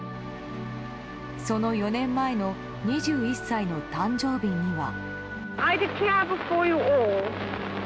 その４年前の２１歳の誕生日には。